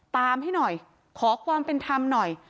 ให้หน่อยขอความเป็นธรรมหน่อย